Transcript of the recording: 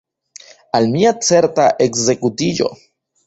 Al mia certa ekzekutiĝo!